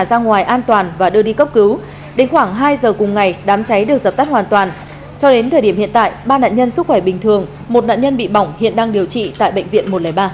đã ra ngoài an toàn và đưa đi cấp cứu đến khoảng hai giờ cùng ngày đám cháy được dập tắt hoàn toàn cho đến thời điểm hiện tại ba nạn nhân sức khỏe bình thường một nạn nhân bị bỏng hiện đang điều trị tại bệnh viện một trăm linh ba